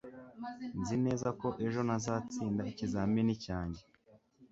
Nzi neza ko ejo ntazatsinda ikizamini cyanjye